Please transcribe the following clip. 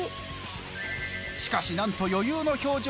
しかしなんと余裕の表情。